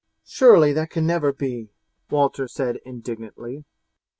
"Surely that can never be," Walter said indignantly.